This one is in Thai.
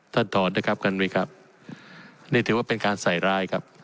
ถอนด้วยครับท่านวิครับนี่ถือว่าเป็นการใส่ร้ายครับ